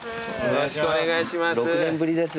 よろしくお願いします。